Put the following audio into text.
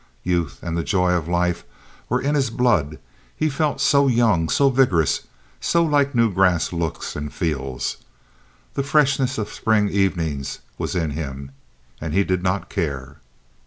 Youth and the joy of life were in his blood. He felt so young, so vigorous, so like new grass looks and feels. The freshness of spring evenings was in him, and he did not care.